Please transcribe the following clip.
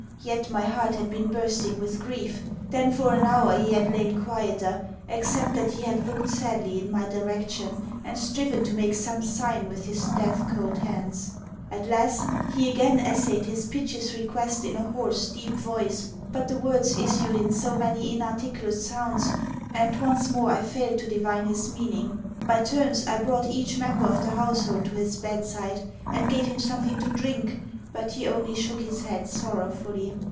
Yet my heart had been bursting with grief. Then for an hour he had lain quieter, except that he had looked sadly in my direction, and striven to make some sign with his death cold hands. At last he again essayed his piteous request in a hoarse, deep voice, but the words issued in so many inarticulate sounds, and once more I failed to divine his meaning. By turns I brought each member of the household to his bedside, and gave him something to drink, but he only shook his head sorrowfully.